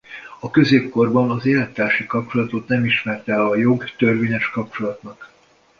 A középkorban az élettársi kapcsolatot nem ismerte el a jog törvényes kapcsolatnak.